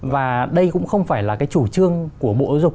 và đây cũng không phải là cái chủ trương của bộ giáo dục